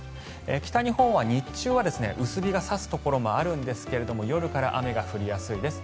北日本は日中は薄日が差すところがあるんですが夜から雨が降りやすいです。